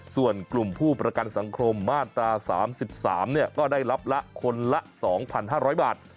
ส่วนกลุ่มผู้ประกันสังคมมาตรา๓๓ก็ได้รับละคนละ๒๕๐๐บาท